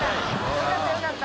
よかったよかった。